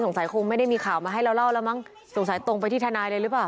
คงไม่ได้มีข่าวมาให้เราเล่าแล้วมั้งสงสัยตรงไปที่ทนายเลยหรือเปล่า